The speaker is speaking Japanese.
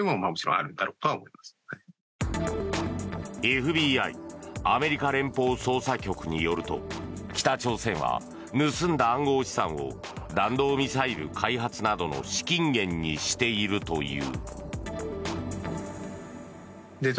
ＦＢＩ・アメリカ連邦捜査局によると北朝鮮は盗んだ暗号資産を弾道ミサイル開発などの資金源にしているという。